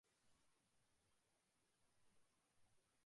大阪府島本町